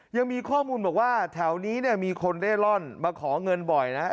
ยังมีข้อมูลบอกว่าแถวนี้เนี่ยมีคนเร่ร่อนมาขอเงินบ่อยนะ